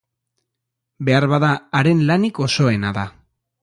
Beharbada, haren lanik osoena da.